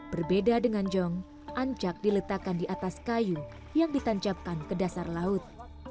berbeda dengan jong ancak diletakkan di atas kayu yang ditancapkan ke dasar laut